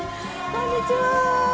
こんにちは。